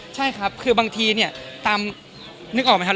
ใช่ครับคือบางทีเนี่ยตามนึกออกไหมครับ